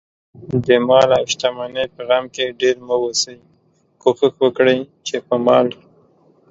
دمال اوشتمنۍ په غم کې ډېر مه اوسئ، کوښښ وکړئ، چې په مال